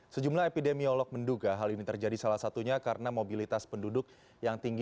sejumlah epidemiolog menduga hal ini terjadi salah satunya karena mobilitas penduduk yang tinggi